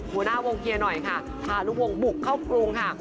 หัวหน้าวงเกียร์หน่อยค่ะพาลูกวงบุกเข้ากรุงค่ะ